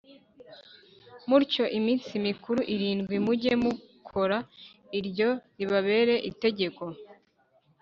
mutyo iminsi mikuru irindwi mujye mukora Iryo ribabere itegeko